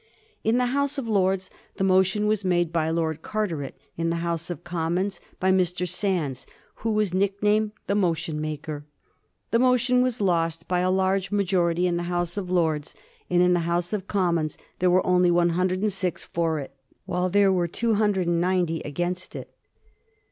In the House of Lords the motion was made by Lord Car teret; in the House of Commons by Mr. Sandys, who was nicknamed "the motion maker." The motion was lost by a large majority in the House of Lords; and in the House of Commons there were only 106 for it, while there were 290 against it.